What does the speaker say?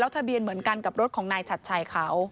ทะเบียนเหมือนกันกับรถของนายฉัดชัยเขา